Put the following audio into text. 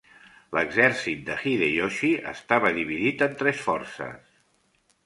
L'exèrcit de Hideyoshi estava dividit en tres forces.